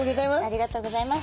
ありがとうございます。